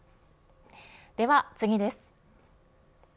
では次です。